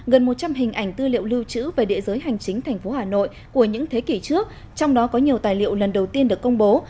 gần một trăm linh hình ảnh tư liệu lưu trữ về địa giới hành chính thành phố hà nội của những thế kỷ trước trong đó có nhiều tài liệu lần đầu tiên được công bố